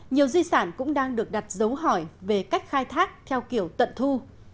nhiều di sản cũng đang được đặt dấu hỏi về cách khai thác theo kiểu tận thu